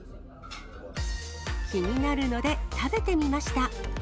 気になるので、食べてみました。